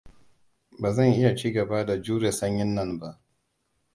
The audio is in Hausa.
Ba zan iya ci gaba da jure sanyin nan ba.